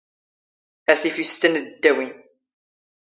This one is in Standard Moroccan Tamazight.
ⴰⵙⵉⴼ ⵉⴼⵙⵜⴰⵏ ⴰⴷ ⵉⵜⵜⴰⵡⵉⵏ